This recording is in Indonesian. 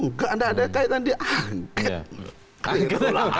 nggak ada kaitan diangket